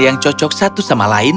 yang cocok satu sama lain